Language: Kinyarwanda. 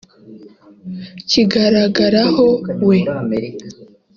kigaragaraho we